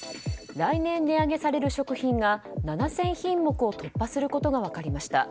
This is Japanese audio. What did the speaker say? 来年値上げされる食品が７０００品目を突破することが分かりました。